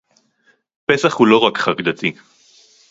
פסח הוא לא רק חג דתי